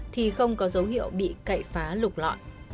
thì không có dấu hiệu bị cậy phá lục lọi